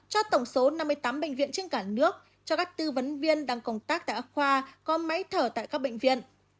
cho tổng số năm mươi tám bệnh viện trên cả nước cho các tư vấn viên đang công tác tại khoa có máy thở tại các bệnh viện